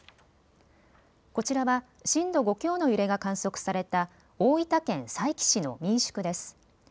こちらは震度５強の揺れが観測された大分県佐伯市の民宿です。